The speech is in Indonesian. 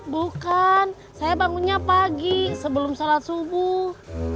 bukan saya bangunnya pagi sebelum sholat subuh